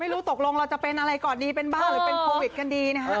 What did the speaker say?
ไม่รู้ตกลงเราจะเป็นอะไรก่อนดีเป็นบ้าหรือเป็นโควิดกันดีนะฮะ